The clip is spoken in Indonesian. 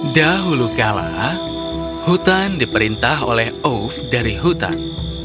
dahulu kala hutan diperintah oleh ove dari hutan